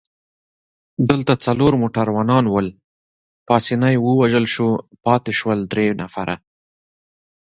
دلته څلور موټروانان ول، پاسیني ووژل شو، پاتې شول درې نفره.